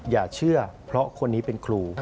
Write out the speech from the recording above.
อย่าเชื่อเพราะคนนี้เป็นครู